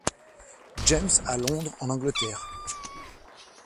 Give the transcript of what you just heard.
James à Londres en Angleterre.